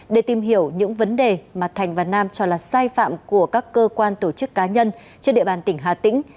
để tìm hiểu những vấn đề mà thành và nam cho là sai phạm của các cơ quan tổ chức cá nhân trên địa bàn tỉnh hà tĩnh